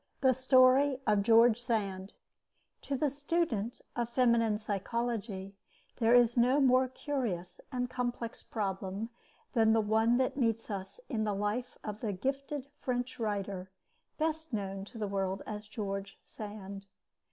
THE STORY OF GEORGE SAND To the student of feminine psychology there is no more curious and complex problem than the one that meets us in the life of the gifted French writer best known to the world as George Sand.